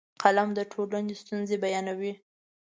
فلم د ټولنې ستونزې بیانوي